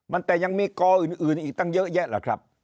มันแต่ยังมีกออื่นอีกตั้งเยอะแยะแหละครับ